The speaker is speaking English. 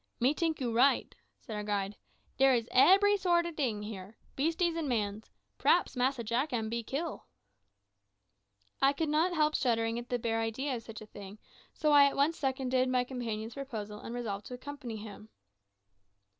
"Me tink you right," said our guide; "dere is ebery sort ob ting here beasties and mans. P'raps Massa Jack am be kill." I could not help shuddering at the bare idea of such a thing, so I at once seconded my companion's proposal, and resolved to accompany him.